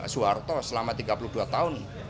soeharto selama tiga puluh dua tahun